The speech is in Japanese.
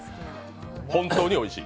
本当においしい？